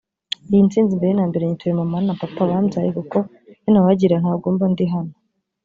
Iyi ntsinzi mbere na mbere nyituye mama na papa bambyaye kuko iyo ntabagira ntabwo mba ndi hano